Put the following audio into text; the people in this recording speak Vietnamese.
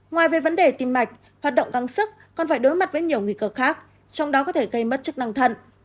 ngoài về vấn đề tim mạch hoạt động căng sức còn phải đối mặt với nhiều nguy cơ khác trong đó có thể gây mất chức năng thận